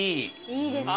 いいですね。